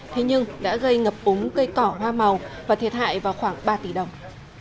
thế nhưng đã gây ngập úng cây cỏ hoa màu và thiệt hại vào khoảng ba tỷ đồng